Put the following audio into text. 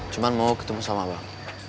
cuma mau ketemu sama bang